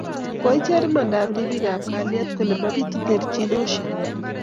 Koicher imada ripik ab kalyet kole mabitu terchinoshek